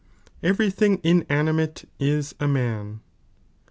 Every thing inanimate ie a man.